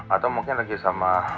atau mungkin lagi sama